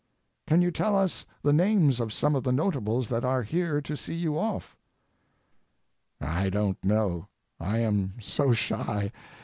"Can you tell us the names of some of the notables that are here to see you off?" I don't know. I am so shy.